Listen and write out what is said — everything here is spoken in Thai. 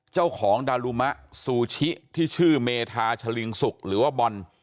ดารุมะซูชิที่ชื่อเมธาชะลิงสุกหรือว่าบอล